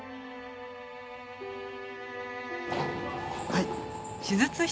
はい。